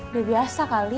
udah biasa kali